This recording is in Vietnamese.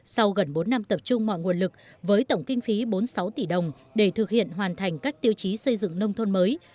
sau gần bốn năm tập trung mọi nguồn lực với tổng kinh phí bốn mươi sáu tỷ đồng để thực hiện hoàn thành các tiêu chí xây dựng nông thôn mới